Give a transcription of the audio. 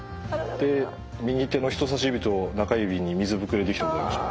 で右手の人さし指と中指に水ぶくれできたことありましたね。